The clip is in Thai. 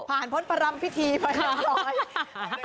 ผ่านพ้นพรรมพิธีไปเรียบร้อย